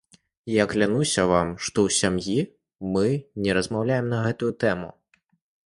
Я клянуся вам, што ў сям'і мы не размаўляем на гэтую тэму.